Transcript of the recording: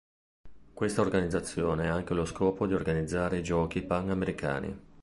Quest'organizzazione ha anche lo scopo di organizzare i Giochi panamericani.